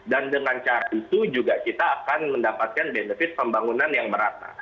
dan dengan cara itu juga kita akan mendapatkan benefit pembangunan yang merata